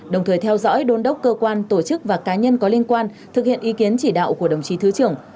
đồng thời theo dõi đôn đốc cơ quan tổ chức và cá nhân có liên quan thực hiện ý kiến chỉ đạo của đồng chí thứ trưởng